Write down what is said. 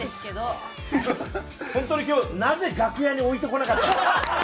本当に今日なぜ楽屋に置いてこなかった。